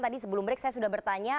tadi sebelum break saya sudah bertanya